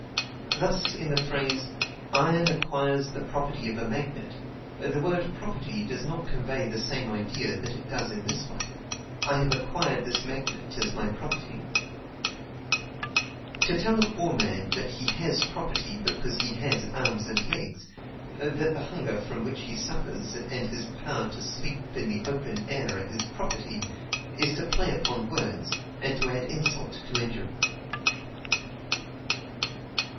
Thus, in the phrase, IRON ACQUIRES THE PROPERTY OF A MAGNET, the word PROPERTY does not convey the same idea that it does in this one: I HAVE ACQUIRED THIS MAGNET AS MY PROPERTY. To tell a poor man that he HAS property because he HAS arms and legs, that the hunger from which he suffers, and his power to sleep in the open air are his property, is to play upon words, and to add insult to injury.